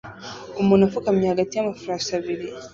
Umuntu apfukamye hagati y'amafarashi abiri